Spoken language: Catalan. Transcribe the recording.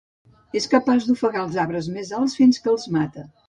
És capaç d'ofegar els arbres més alts fins que els mata.